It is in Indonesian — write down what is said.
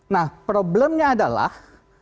nah problemnya adalah